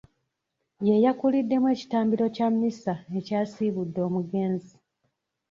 Ye yakuliddemu ekitambiro kya mmisa ekyasiibudde omugenzi.